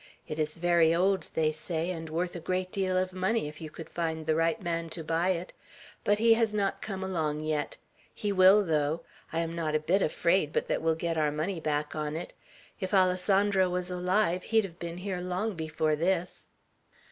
It is very old, they say, and worth a great deal of money, if you could find the right man to buy it. But he has not come along yet. He will, though. I am not a bit afraid but that we'll get our money back on it. If Alessandro was alive, he'd have been here long before this."